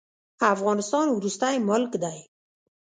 افغانستان وروستی ملک دی.